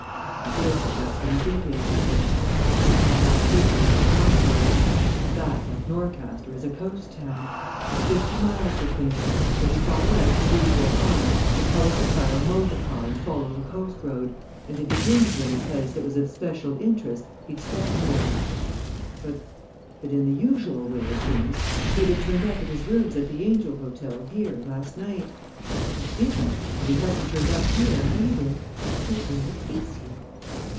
I daresay that's what he did yesterday. You see, all last week we were at Northborough. That, like Norcaster, is a coast town there's fifty miles between them. If he followed out his usual plan he'd probably hire a motor car and follow the coast road, and if he came to any place that was of special interest, he'd stop there. But in the usual way of things he'd have turned up at his rooms at the 'Angel' hotel here last night. He didn't and he hasn't turned up here, either. So where is he?"